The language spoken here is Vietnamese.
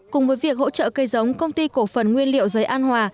cùng với việc hỗ trợ cây giống công ty cổ phần nguyên liệu giấy an hòa